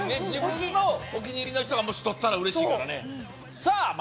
自分のお気に入りの人がもしとったら嬉しいからねさあ